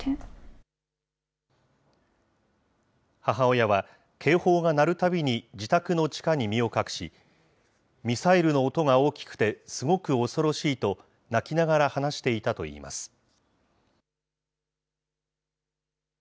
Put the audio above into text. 母親は、警報が鳴るたびに、自宅の地下に身を隠し、ミサイルの音が大きくて、すごく恐ろしいと、泣きながら話していたといいます。